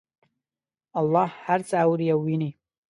الله هر څه اوري او ویني